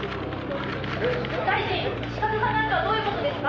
「大臣資格がないとはどういう事ですか？」